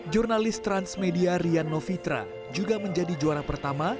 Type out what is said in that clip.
jurnalis transmedia rian novitra juga menjadi juara pertama